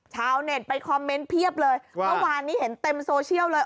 ชาวเน็ตไปคอมเมนต์เพียบเลยเมื่อวานนี้เห็นเต็มโซเชียลเลย